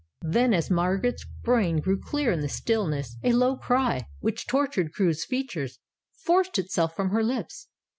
Then, as Margaret's brain grew clear in the stillness, a low cry, which tortured Crewe's features, forced itself from her lips.